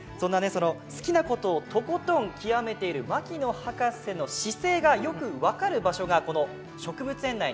その好きなことをとことん極めている牧野博士の姿勢がよく分かる場所がこの植物園内にあるんです。